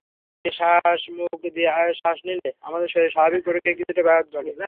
মুখ দিয়ে শ্বাসমুখ দিয়ে শ্বাস নিলে আমাদের শরীরের স্বাভাবিক প্রক্রিয়ায় কিছু ব্যাঘাত ঘটে।